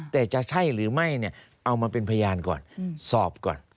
แต่จะใช่หรือไม่เนี่ยเอามาเป็นพยานก่อนสอบก่อน